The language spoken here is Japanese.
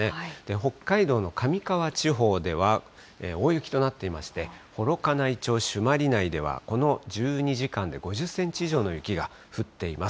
北海道の上川地方では、大雪となっていまして、幌加内町朱鞠内では、この１２時間で５０センチ以上の雪が降っています。